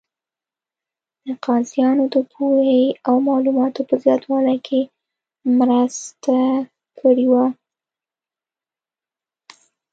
د قاضیانو د پوهې او معلوماتو په زیاتوالي کې مرسته کړې وه.